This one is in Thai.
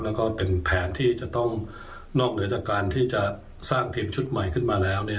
แล้วก็เป็นแผนที่จะต้องนอกเหนือจากการที่จะสร้างทีมชุดใหม่ขึ้นมาแล้ว